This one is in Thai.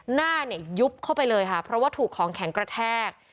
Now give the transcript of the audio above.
หน้าเนี่ยยุบเข้าไปเลยค่ะเพราะว่าถูกของแข็งกระแทก